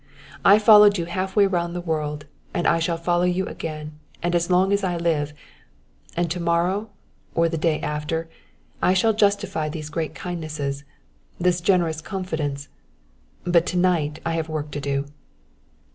I followed you half way round the world and I shall follow you again and as long as I live. And to morrow or the day after I shall justify these great kindnesses this generous confidence; but to night I have a work to do!"